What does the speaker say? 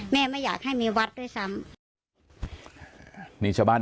ไม่อยากให้มีวัดด้วยซ้ำ